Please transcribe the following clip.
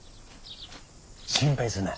心配すな。